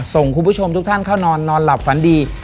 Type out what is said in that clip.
ส่งคุณผู้ชมทุกท่านเข้านอนนอนหลับฝันดี